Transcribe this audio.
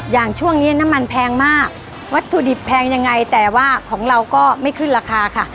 อย่างช่วงนี้น้ำมันแพงมากวัตถุดิบแพงยังไงแต่ว่าของเราก็ไม่ขึ้นราคาค่ะ